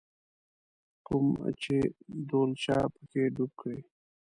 کوم چې ډولچه په کې ډوب کړې.